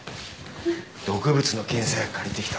毒物の検査薬借りてきた。